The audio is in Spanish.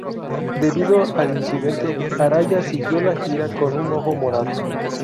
Debido al incidente, Araya siguió la gira con un ojo morado.